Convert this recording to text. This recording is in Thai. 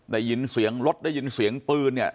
ได้ยินเสียงรถได้ยินเสียงปืนเนี่ย